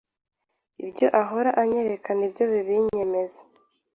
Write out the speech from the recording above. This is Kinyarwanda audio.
ibyo ahora anyereka nibyo bibinyemeza,